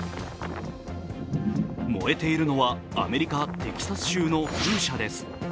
燃えているのはアメリカ・テキサス州の風車です。